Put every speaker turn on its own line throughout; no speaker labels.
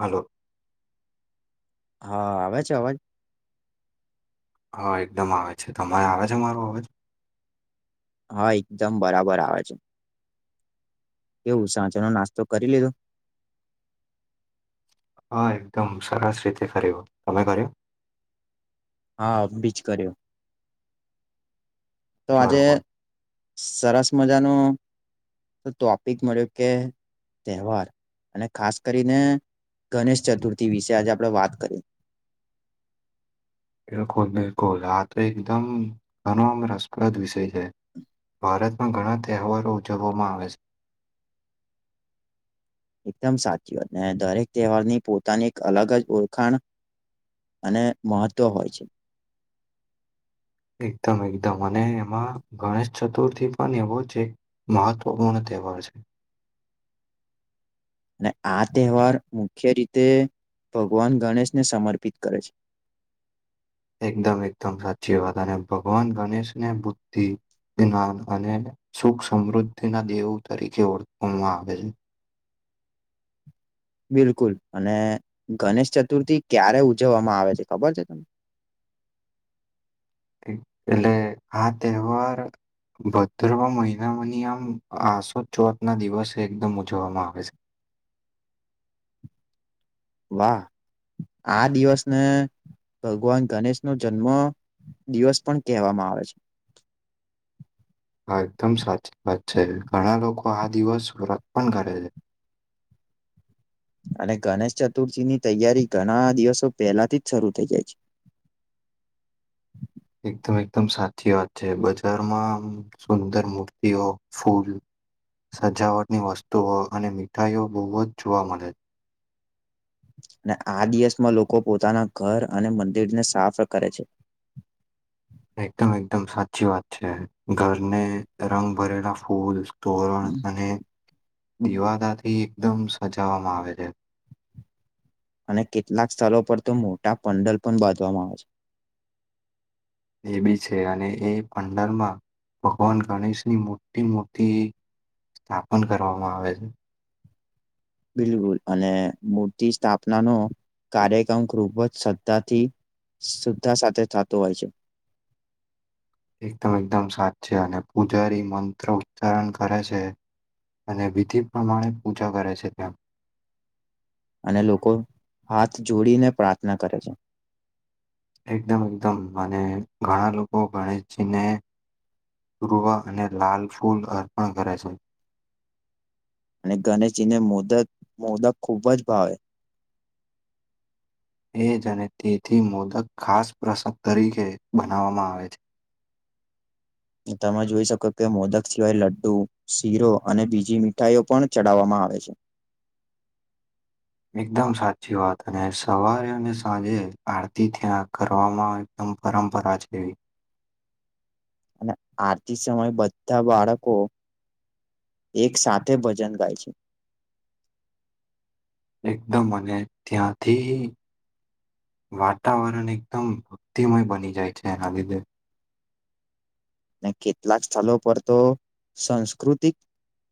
હાલો
હા આવે છે અવાજ?
હા એકદમ આવે છે, તમારે આવે છે મારો અવાજ?
હા એકદમ બરાબર આવે છે. કેવું સાંજનો નાસ્તો કરી લીધો?
હા એકદમ સરસ રીતે કર્યો, તમે કર્યો?
હા અબીજ કર્યો, તો આજે
બરોબર
સરસ મજાનો ટોપિક મળ્યો કે તહેવાર અને ખાસ કરીને ગણેશ ચતુર્થી વિશે આજે આપણે વાત કરીએ.
બિલકુલ બિલકુલ આ તો એકદમ ઘણો રસપ્રદ વિષય છે. ભારતમાં ઘણા તહેવારો ઉજવવામાં આવે સ
એકદમ સાચીવાત અને દરેક તહેવારની પોતાની એક અલગ જ ઓળખાણ અને મહત્ત્વ હોય છે.
એકદમ એકદમ અને એમાં ગણેશ ચતુર્થી પણ એવો જ એક મહત્વપૂર્ણ તેહવાર છે
ને આ તહેવાર મુખ્ય રીતે ભગવાન ગણેશને સમર્પિત કરે છે.
એકદમ એકદમ સાચી વાત અને ભગવાન ગણેશ ને બુદ્ધિ જ્ઞાન અને સુખ સમૃદ્ધિ ના દેવો તરીકે ઓળખવામાં આવે
બિલકુલ અને ગણેશ ચતુર્થી ક્યારે ઉજવવામાં આવે છે ખબર છે તને?
તે એટલે આ તહેવાર ભદ્રવા મહિનામાંની આમ આસો ચોહટ ના દિવસે એકદમ ઉજવવામાં આવે છે.
વાહ આ દિવસને ભગવાન ગણેશ ન જન્મ દિવસ પણ કહેવામાં આવે છે [inaudible]
હા એકદમ સાચી વાત છે ઘણા લોકો આ દિવસ વ્રત પણ કરે છે
[inaudible] અને ગણેશ ચતુર્થીની તૈયારી ઘણા દિવસો પહેલાથી જ શરૂ થઈ જાય છે [inaudible]
એકદમ એકદમ સાચી વાત છે બજારમાં સુંદર મૂર્તિઓ ફૂલ સજાવટની વસ્તુઓ અને મીઠાઈઓ બહુ જ જોવા મળે છે
અને આ દિવસમાં લોકો પોતાના ઘર અને મંદિરને સાફ કરે છે [inaudible]
એકદમ એકદમ સાચી વાત છે ઘરને રંગ ભરેલા ફૂલ તોરણ અને દિવાદાથી એકદમ સજાવામાં આવે છે
અને કેટલાક સ્થળો પર તો મોટા પંડલ પણ બાંધવામાં આવે છે
એ બી છે અને એ પંંડરમાં ભગવાન ગણેશની મોટી મુર્તિ સ્થાપન કરવામાં આવે છે
બિલકુલ અને મૂર્તિ સ્થાપના નો કાર્યક્રમ ખૂબ જ શ્રદ્ધાથી શુદ્ધા સાથે થતો હોય છે [inaudible]
પુજારી મંત્ર ઉચ્ચારણ કરે છે અને વિધિ પ્રમાણે પૂજા કરે છે ત્યા
અને લોકો હાથ જોડીને પ્રાર્થના કરે છે
એકદમ એકદમ અને ઘણા લોકો ગણેશજીને પૂર્વ અને લાલ ફૂલ અર્પણ કરે છે
અને ગનેશજી ને મોદક મોદક ખૂબ જ ભાવે
એ જ અને તેથી મોદક ખાસ પ્રસાદ તરીકે બનાવવામાં આવે છે
તમે જોઈ શકો કે મોદક સિવાય લડ્ડુ શીરો અને બીજી મીઠાઈઓ પણ ચડાવવામા આવે છે
એકદમ સાચી વાત અને સવારે અને સાંજે આરતી ત્યાં કરવામાં એકદમ પરંપરા છે એવી
અને આરતી સમય બંધા બાળકો એક સાથે ભજન ગાય છે
એકદમ અને ત્યાંથી વાતાવરણ એકદમ બુદ્ધિમય બની જાય છે એના લીધે
ને કેટલાક સ્થળ પર તો સંસ્કૃતિક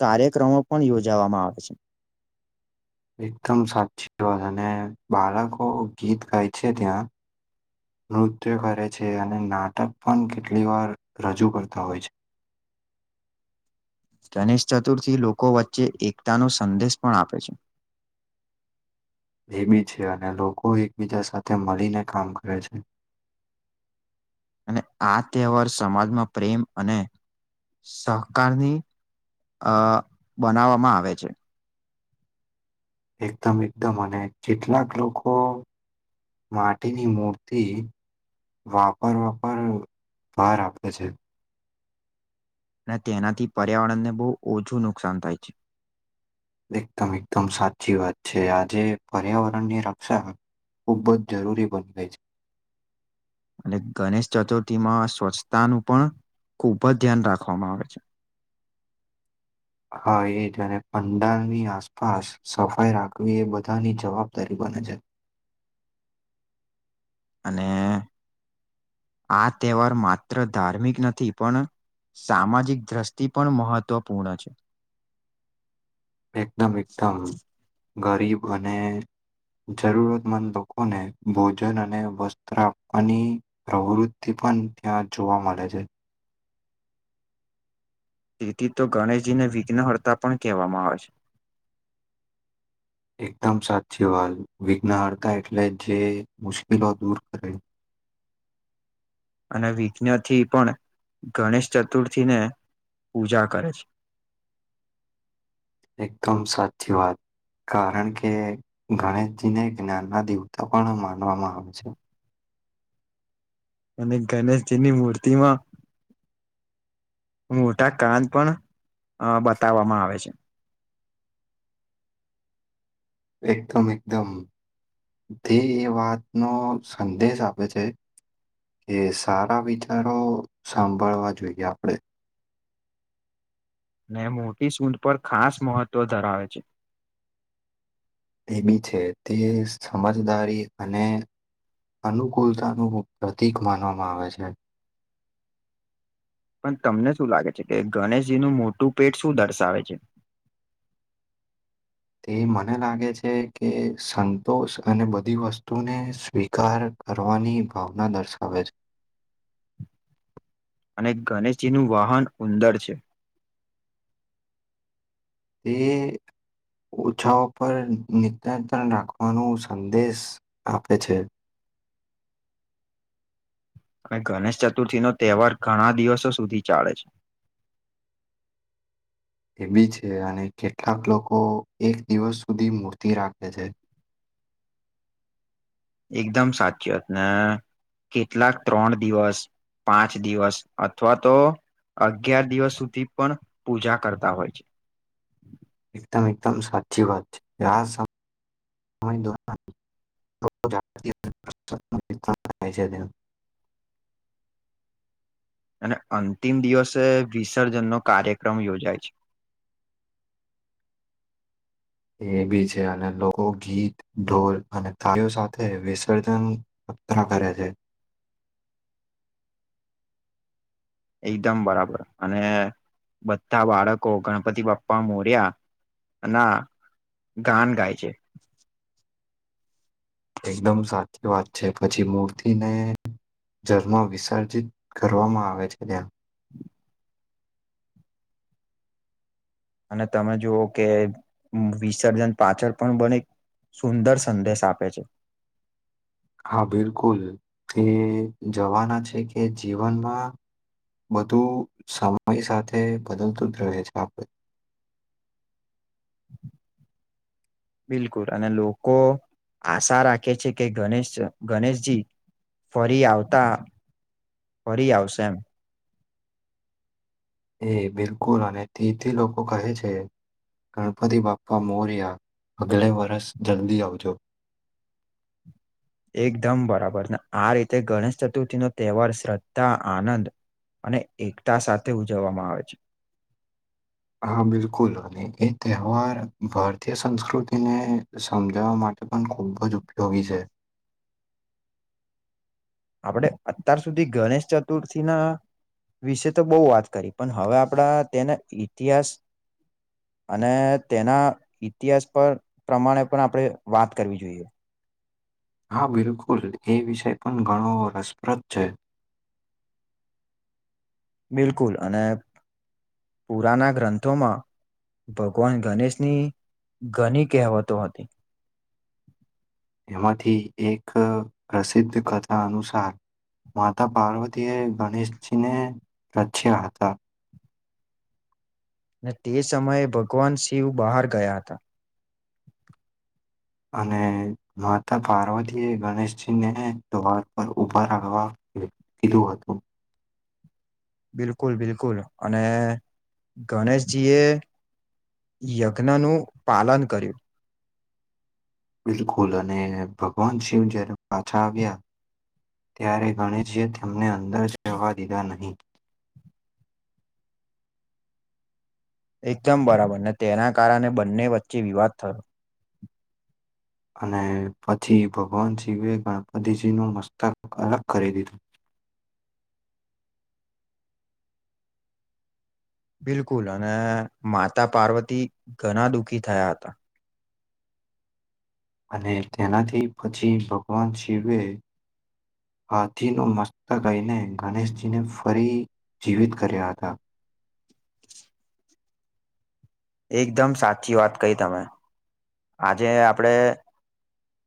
કાર્યક્રમો પણ યોજાવામાં આવે છે
એકદમ સાચી વાત અને બાળકો ગીત ગાય છે ત્યાં નૃત્ય કરે છે અને નાટક પણ કેટલી વાર રજૂ કરતા હોય છે
ગણેશ ચતુર્થી લોકો વચ્ચે એકતાનો સંદેશ પણ આપે છે [inaudible]
એબી છે અને લોકો એકબીજા સાથે મળીને કામ કરે છે
અને આ તહેવાર સમાજમાં પ્રેમ અને સહકારની આ બનાવવામાં આવે છે
એકદમ એકદમ અને કેટલાક લોકો માટીની મૂર્તિ વાપર વાપર ભાર આપે છે
અને તેનાથી પર્યાવરણને બો ઓછું નુકસાન થાય છે
એકદમ એકદમ સાચી વાત છે આજે પર્યાવરણ ની રક્ષા ખૂબબ જ જરૂરી બની ગઈ છે
અને ગણેશ ચતુર્થી માં સ્વચ્છતાનું પણ ખૂબ જ ધ્યાન રાખવામાં આવે છે
હા એ જ અને પંડારની આસપાસ સફાઈ રાખવી એ બધાની જવાબદારી બને છે
અને આ તહેવાર માત્ર ધાર્મિક નથી પણ સામાજિક દ્રષ્ટિ પણ મહત્વપૂર્ણ છે.
એકદમ એકદમ ગરીબ અને જરૂરતમંદ લોકોને ભોજન અને વસ્ત્ર આપવાની પ્રવૃતિ પન ત્યાં જોવા મળે છે.
તેથી તો ગણેશજીને વિઘ્નહર્તા પણ કહેવામાં આવે છે.
એકદમ સાચી વાત વિઘ્નહર્તા એટલે જે મુશ્કેલો દૂર કરે
[inaudible] અને વિઘ્ન થી પણ ગણેશ ચતુર્થીને પૂજા કરે છે. [inaudible]
એકદમ સાચી વાત કારણ કે ગણેશજીને જ્ઞાનના દેવતા પણ માનવામાં આવે છે.
અને ગણેશજીની મૂર્તિમાં મોટા કાન પણ અ બતાવવામાં આવે છે.
એકદમ એકદમ ધી એ વાતનો સંદેશ આપે છે. કે સારા વિચારો સાંભાળવા જોઈએ આપડે
ને મોટી સૂઢ પર ખાસ મહત્ત્વ ધરાવે છે.
એ બી છે તે સમજદારી અને અનુકૂળતાનું પ્રતિક માનવામાં આવે છે.
પણ તમને શું લાગે છે કે ગણેશજીનું મોટું પેટ શું દર્શાવે છે. [inaudible]
તે મને લાગે છે કે સંતોષ અને બધી વસ્તુને સ્વીકાર કરવાની ભાવના દર્શાવે છે.
અને ગણેશજીનું વાહન ઉંદર છે.
તે ઓછાઓ પર નિતંતણ રાખવાનો સંદેશ આપે છે.
અને ગણેશ ચતુર્થી નો તહેવાર ઘણા દિવસો સુધી ચાલે છે.
એ બી છે અને કેટલાક લોકો એક દિવસ સુધી મૂર્તિ રાખે છે.
એકદમ સાચી વાત ને કેટલાક ત્રણ દિવસ પાંચ દિવસ અથવા તો અગિયાર દિવસ સુધી પણ પૂજા કરતા હોય છે.
એકદમ એકદમ સાચી વાત છે આ સમ સમય દ્વારા [unintelligible]
[inaudible] અને અંતિમ દિવસે વિસર્જનનો કાર્યક્રમ યોજાય છે. [inaudible]
એ બી છે અને લોકો ગીત ઢોલ અને કાર્યો સાથે વિસર્જન [unintelligible] કરે છે.
[inaudible] એકદમ બરાબર અને બધા બાળકો ગણપતિ બાપ્પા મોર્યા ના ગાન ગાય છે.
એકદમ સાચી વાત છે પછી મૂર્તિને જર્મ વિસર્જિત કરવામાં આવે છે ત્યાં
અને તમે જોઓ કે વિસર્જન પાછળ પણ બને સુંદર સંદેશ આપે છે.
હા બિલકુલ એ જવાના છે કે જીવનમાં બધું સમય સાથે બદલતું જ રહે છે આપડે.
બિલકુલ અને લોકો આશા રાખે છે કે ગણેશ ગણેશજી ફરી આવતા, ફરી આવશે એમ.
એ બિલકુલ અને તીથી લોકો કહે છે ગણપતિ બાપ્પા મોર્યા, અગલે વરસ, જલ્દી આવજો.
[inaudible] એકદમ બરાબર, ને આ રીતે ગણેશ ચતુર્થી નો તેહવાર શ્રદ્ધા, આનંદ અને એકતા સાથે ઉજવવામાં આવે છે.
હા બિલકુલ, [unintelligible] એ તહેવાર ભારતીય સંસ્કૃતિને સમજાવા માટે પણ ખુબ જ ઉપયોગી છે.
આપણે અતાર સુધી ગણેશ ચતુર્થીના વિશે તો બહુ વાત કરી, પણ હવે આપણા તેના ઇતિહાસ અને તેના ઇતિહાસ પર પ્રમાણે પળ આપણે વાત કરવી જોઈએ.
હા બિલકુલ, એ વિષય પણ ઘણો રસપ્રદ છે.
બિલકુલ, અને પુરાના ગ્રંથોમાં ભગવાન ગનેશની, ઘની કેહવતો હતી.
એમાંથી એક પ્રસિદ્ધ કથા અનુસાર માતા પાર્વતીએ ગણેશજીને રચ્યા હતા.
ને તે સમયે ભગવાન શિવ બાહર ગયા હતા.
અને, માતા પાર્વતીએ ગણેશજી ને દ્વાર પર ઉભા રહવા કીધું હતું.
બિલકુલ બિલકુલ, અને ગણેશજી એ યજ્ઞનું પાલન કર્યું.
બિલકુલ, અને ભગવાન શિવ જ્યારે પાછા આવ્યા ત્યારે ગણેશજી એ તેમને અંદર જવા દીધા નહીં.
એકદમ બરાબર, ને તેના કારણે બંને વચ્ચે વિવાદ થયો.
અને પછી ભગવાન શિવે ગણપતિજીનું મસ્તક, અલગ કરી દીધું.
બિલકુલ, અને માતા પાર્વતી ઘણા દુઃખી થયા હતા.
અને તેનાથી પછી ભગવાન શિવે હાથીનું મસ્તકઈને ગણેશજીને ફરી જીવિત કર્યા હતા.
એકદમ સાચી વાત કહી તમે, આજે આપણે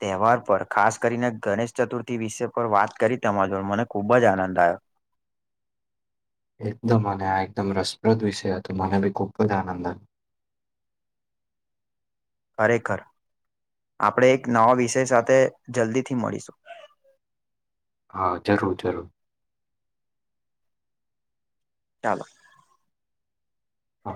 તહેવાર પર, ખાસ કરીને ગણેશ ચતુર્થી વિષય પર વાત કરી તમાર જોડે મને ખુબ જ આનંદ આયો.
એકદમ અને આ એકદમ રસપ્રદ વિષય હતો મને બી ખૂબ જ આનંદ આયો.
[inaudible] ખરેખર. આપણે એક નવા વિષય સાથે જલ્દીથી મળીશું.
હા, જરૂર જરૂર.
ચાલો.
હા